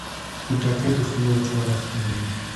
خټکۍ د خولې وچوالی ختموي.